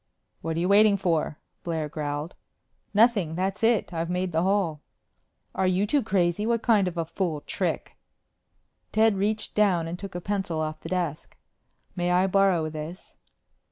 "What are you waiting for?" Blair growled. "Nothing. That's it. I've made the hole." "Are you two crazy? What kind of a fool trick ?" Ted reached down and took a pencil off the desk. "May I borrow this?"